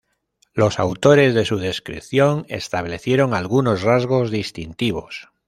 Los autores de su descripción establecieron algunos rasgos distintivos.